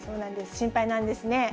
心配なんですね。